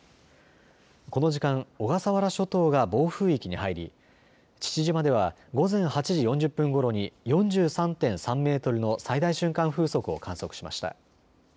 この時間、小笠原諸島が暴風域に入り父島では午前８時４０分ごろに４３．３メートルの最大瞬間風速を観測しました。